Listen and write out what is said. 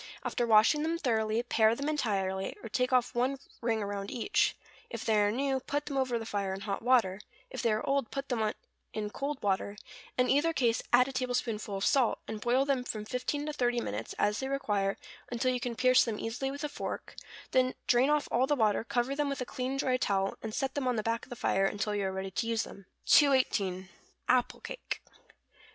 After washing them thoroughly, pare them entirely, or take off one ring around each; if they are new, put them over the fire in hot water; if they are old, put them on in cold water; in either case, add a tablespoonful of salt, and boil them from fifteen to thirty minutes, as they require, until you can pierce them easily with a fork; then drain off all the water, cover them with a clean dry towel, and set them on the back of the fire until you are ready to use them. 218. =Apple Cake.